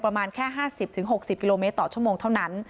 ประมาณแค่๕๐๖๐กิโลเมตรต่อชั่วโมงเท่านั้น